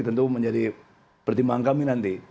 tentu menjadi pertimbangan kami nanti